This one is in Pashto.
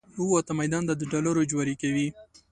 ووته میدان ته د ډالرو جواري کوي